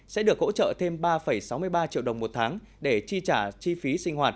sẽ được hỗ trợ thêm ba sáu mươi ba triệu đồng một tháng để chi trả chi phí sinh hoạt